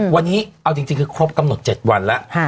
วันนี้เอาจริงคือครบกำหนด๗วันแล้ว